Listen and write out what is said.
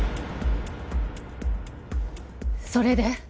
それで？